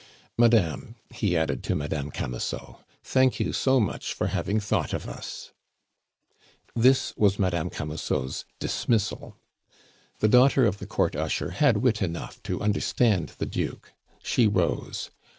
Madame," he added to Madame Camusot, "thank you so much for having thought of us " This was Madame Camusot's dismissal. The daughter of the court usher had wit enough to understand the Duke; she rose.